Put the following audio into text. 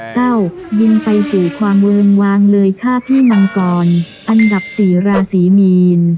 บินไปสู่ความเวิร์นวางเลยฆ่าพี่มังกรอันดับสี่ราศีมีน